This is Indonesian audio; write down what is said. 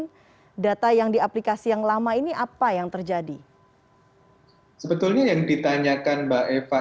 hai data yang diaplikasi yang lama ini apa yang terjadi hai sebetulnya yang ditanyakan mbak eva